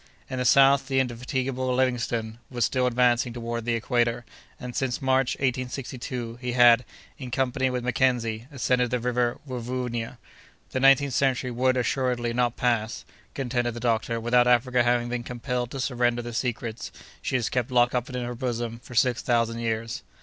In the south, the indefatigable Livingstone was still advancing toward the equator; and, since March, 1862, he had, in company with Mackenzie, ascended the river Rovoonia. The nineteenth century would, assuredly, not pass, contended the doctor, without Africa having been compelled to surrender the secrets she has kept locked up in her bosom for six thousand years.